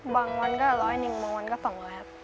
บางวันก็ร้อยหนึ่งบางวันก็สองร้อยครับ